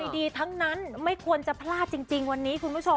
ดีทั้งนั้นไม่ควรจะพลาดจริงวันนี้คุณผู้ชม